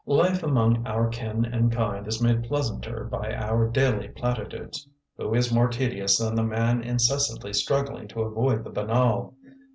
Life among our kin and kind is made pleasanter by our daily platitudes. Who is more tedious than the man incessantly struggling to avoid the banal?